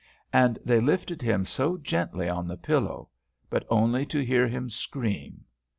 And they lifted him so gently on the pillow, but only to hear him scream.